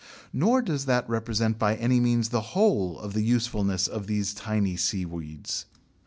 Nor does that represent by any means the whole of the usefulness of these tiny seaweeds.